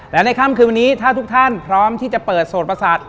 และในค่ำคืนวันนี้ถ้าทุกท่านพร้อมที่จะเปิดโสดประสาท